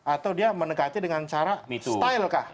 atau dia mendekati dengan cara style kah